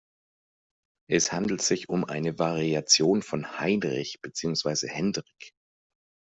Es handelt sich um eine Variation von Heinrich beziehungsweise Hendrik.